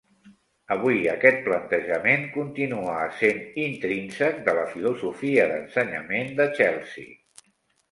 Avui, aquest plantejament continua essent intrínsec de la filosofia d'ensenyament de Chelsea.